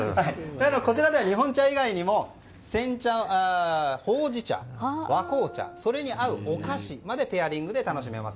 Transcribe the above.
こちらでは日本茶以外にも煎茶、ほうじ茶、和紅茶それに合うお菓子までペアリングで楽しめます。